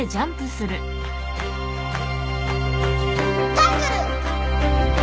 タックル！